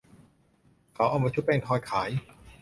เขาเอามาชุบแป้งทอดขาย